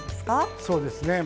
そうですね。